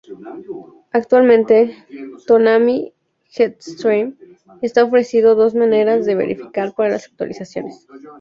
Actualmente, Toonami Jetstream está ofreciendo dos maneras de verificar para las actualizaciones.